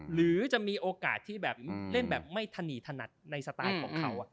หรือจะมีโอกาสที่แบบเล่นแบบไม่ถนีถนัดในสไตล์ของเขา